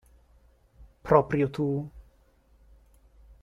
Proprio tu?